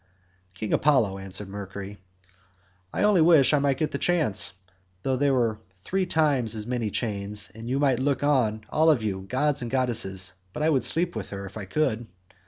"King Apollo," answered Mercury, "I only wish I might get the chance, though there were three times as many chains—and you might look on, all of you, gods and goddesses, but I would sleep with her if I could."